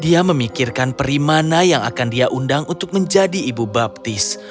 dia memikirkan peri mana yang akan dia undang untuk menjadi ibu baptis